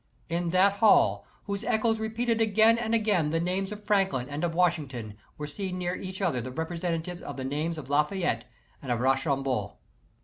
In that hall, whose echoes repeated again and again the names of Franklin and of Washington, were seen near each other the representatives 01 the names of Lafayette and of Rochambeau.